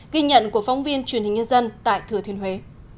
ghi nhận của phóng viên truyền hình nhân dân tại thừa thiên huế